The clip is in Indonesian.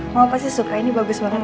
mau pasti suka ini bagus banget